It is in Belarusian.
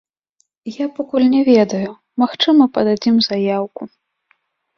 Я пакуль не ведаю, магчыма, пададзім заяўку.